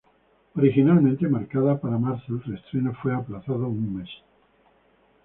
Originalmente marcada para marzo, el reestreno fue aplazado un mes.